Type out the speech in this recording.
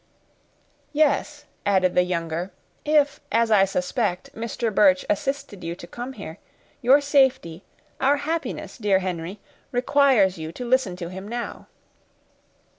"Yes," added the younger, "if, as I suspect, Mr. Birch assisted you to come here, your safety, our happiness, dear Henry, requires you to listen to him now."